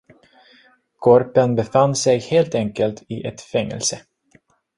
Korpen befann sig helt enkelt i ett fängelse.